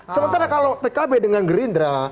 sementara kalau pkb dengan gerindra